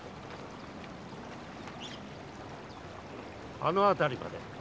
あのあたりまで。